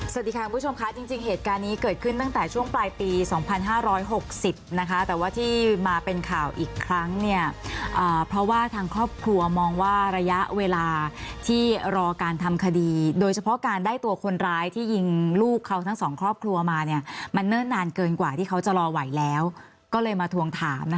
สวัสดีค่ะคุณผู้ชมค่ะจริงเหตุการณ์นี้เกิดขึ้นตั้งแต่ช่วงปลายปี๒๕๖๐นะคะแต่ว่าที่มาเป็นข่าวอีกครั้งเนี่ยเพราะว่าทางครอบครัวมองว่าระยะเวลาที่รอการทำคดีโดยเฉพาะการได้ตัวคนร้ายที่ยิงลูกเขาทั้งสองครอบครัวมาเนี่ยมันเนิ่นนานเกินกว่าที่เขาจะรอไหวแล้วก็เลยมาทวงถามนะคะ